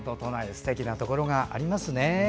すてきなところがありますね。